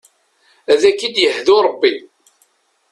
Ad k-id-yehdu Rebbi.